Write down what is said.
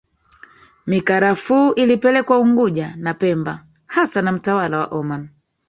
Mikarafuu ilipelekwa Unguja na Pemba hasa na mtawala wa Omani